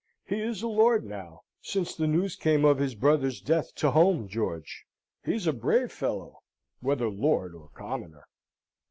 He is a lord now, since the news came of his brother's death to home, George. He is a brave fellow, whether lord or commoner."